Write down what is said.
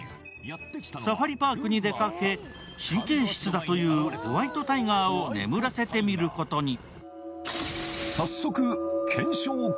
サファリパークに出かけ、神経質だというホワイトタイガーを眠らせてみることに。